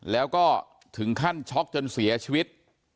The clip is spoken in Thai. แล้วก็ถึงขั้นช็อกจนเสียชีวิต